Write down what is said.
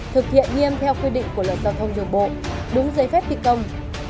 thực hiện nghiêm theo quy định của luật giao thông đường bộ đúng giấy phép thi công